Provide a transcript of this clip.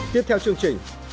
tiếp theo chương trình